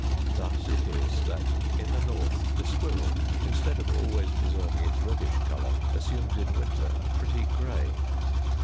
Thus it is in the north that the Squirrel, instead of always preserving its reddish colour, assumes in winter a pretty gray.